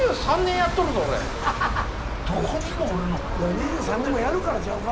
２３年もやるからちゃうか？